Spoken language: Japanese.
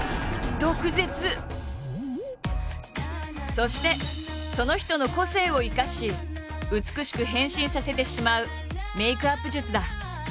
そしてその人の個性を生かし美しく変身させてしまうメイクアップ術だ。